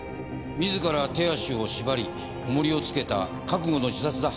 自ら手足を縛りおもりを付けた覚悟の自殺だ。